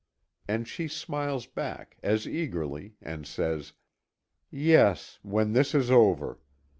And she smiles back as eagerly and says: "Yes, when this is over!"